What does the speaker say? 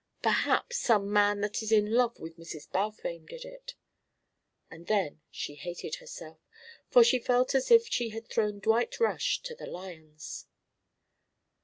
"Perhaps some man that is in love with Mrs. Balfame did it." And then she hated herself, for she felt as if she had thrown Dwight Rush to the lions.